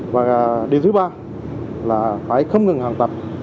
và điều thứ ba là phải không ngừng học tập